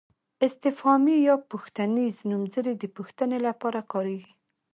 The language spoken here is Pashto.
استفهامي یا پوښتنیز نومځري د پوښتنې لپاره کاریږي.